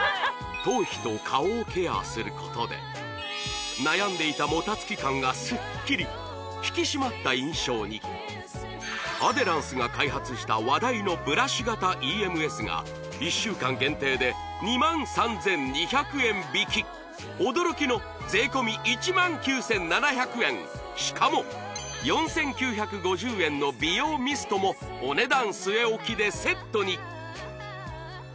頭皮と顔をケアすることで悩んでいたもたつき感がスッキリ引き締まった印象にアデランスが開発した話題のブラシ型ＥＭＳが１週間限定で２万３２００円引き驚きの税込１万９７００円しかも４９５０円の美容ミストもお値段